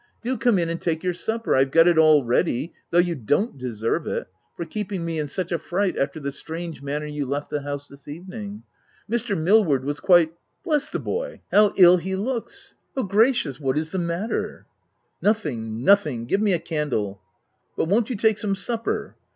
Do come in and take your supper — Fve got it all ready, though you don't deserve it, for keeping me in such a fright, after the strange manner you left the house this evening. Mr. Millward was quite — Bless the boy ! how ill he looks ! Oh, gracious ! what is the matter?" l 2 220 THE TENANT " Nothing, nothing— give me a candle." " But won't you take some supper